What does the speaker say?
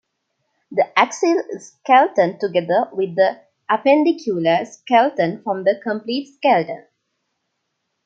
The axial skeleton together with the appendicular skeleton form the complete skeleton.